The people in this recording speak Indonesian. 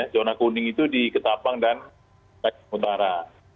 zona kuning itu di ketapang dan utara